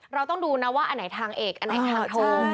เราต้องดูนะว่าอันไหนทางเอกอันไหนทางโทร